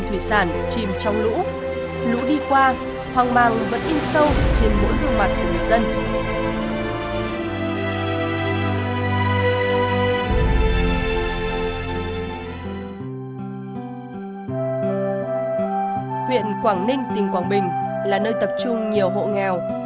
huyện quảng ninh tỉnh quảng bình là nơi tập trung nhiều hộ nghèo